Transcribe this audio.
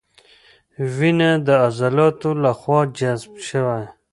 وینه د عضلاتو له خوا جذب شوه.